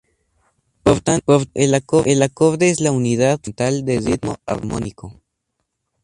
Por tanto, el acorde es la unidad fundamental del ritmo armónico.